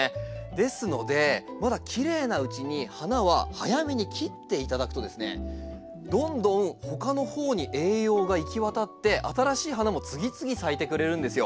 ですのでまだきれいなうちに花は早めに切っていただくとですねどんどんほかのほうに栄養が行き渡って新しい花も次々咲いてくれるんですよ。